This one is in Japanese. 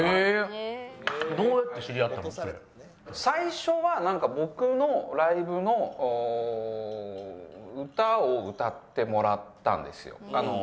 最初はなんか僕のライブの歌を歌ってもらったんですよ。